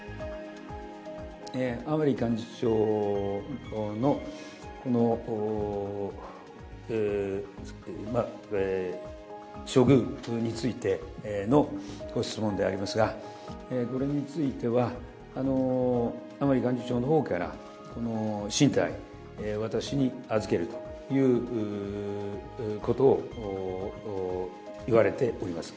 甘利幹事長の、この、まあ、えー、処遇についてのご質問でありますが、これについては、甘利幹事長のほうから進退、私に預けるということを言われております。